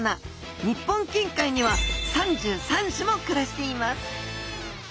日本近海には３３種も暮らしています。